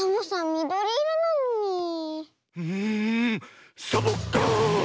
みどりいろなのに。んサボッカーン！